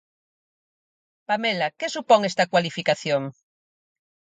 Pamela, que supón esta cualificación?